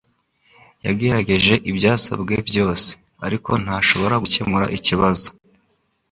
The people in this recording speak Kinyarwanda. yagerageje ibyasabwe byose, ariko ntashobora gukemura ikibazo.